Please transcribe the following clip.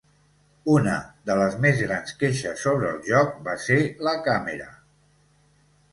Una de les més grans queixes sobre el joc va ser la càmera.